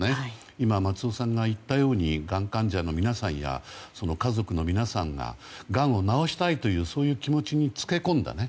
今、松尾さんが言ったようにがん患者の皆さんやその家族の皆さんががんを治したいという気持ちに付け込んだね